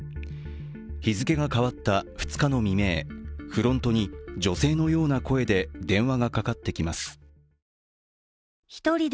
日付が変わった２日の未明フロントに女性のような声で電話がかかってきます。